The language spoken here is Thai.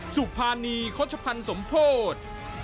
สุภานีเขาชะพันธ์สมโทษ